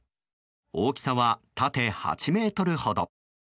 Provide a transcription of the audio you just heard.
大きさは縦４ｍほど。